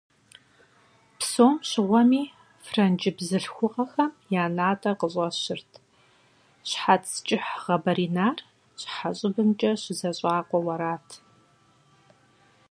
Псом щыгъуэми франджы бзылъхугъэхэм я натӀэр къыщӀэщырт, щхьэц кӀыхь гъэбэринар щхьэ щӀыбымкӀэ щызэщӀакъуэу арат.